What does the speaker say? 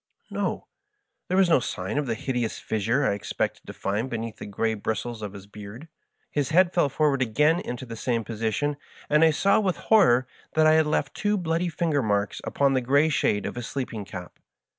No ; there was no sign of the hideous fissure I expected to find beneath the gray bristles of his beard. His head fell forward again into the same position, and I saw with horror that I had left two bloody finger marks upon the grey shade of his sleeping cap.